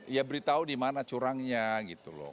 ya beritahu di mana curangnya gitu loh